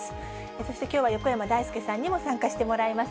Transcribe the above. そしてきょうは、横山だいすけさんにも参加してもらいます。